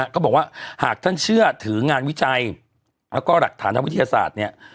เขาบอกว่าหากท่านเชื่อถืองานวิจัยแล้วก็หลักฐานทางวิทยาศาสตร์เนี่ย